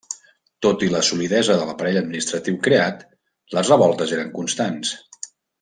Tot i la solidesa de l'aparell administratiu creat, les revoltes eren constants.